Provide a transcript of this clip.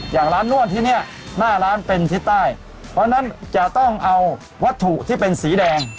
อย่างร้านนวดที่เนี่ยหน้าร้านเป็นทิศใต้เพราะฉะนั้นจะต้องเอาวัตถุที่เป็นสีแดง